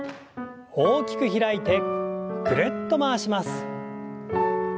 大きく開いてぐるっと回します。